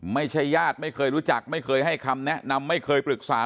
ไม่ใช่ญาติไม่เคยรู้จักไม่เคยให้คำแนะนำไม่เคยปรึกษา